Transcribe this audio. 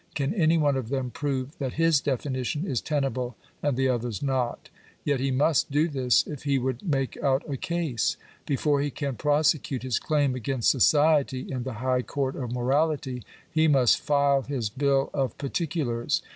Can any one of them prove that his definition is tenable and the others not ? Yet he must do this if he would make out a case. Before he can prosecute his claim against society, in the high court of morality, he must " file his bill of particulars."